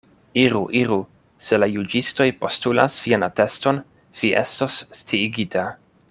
Iru, iru; se la juĝistoj postulas vian ateston, vi estos sciigita.